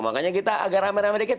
makanya kita agak rame rame dikit